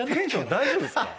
大丈夫ですか。